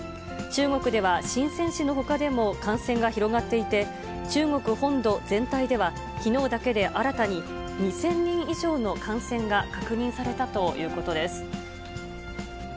中国では深せん市のほかでも感染が広がっていて、中国本土全体では、きのうだけで新たに２０００人以上の感染が確認されたということです。